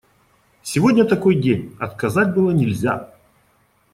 Сегодня такой день – отказать было нельзя.